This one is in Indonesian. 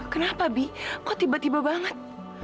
kenapa bi kok tiba tiba banget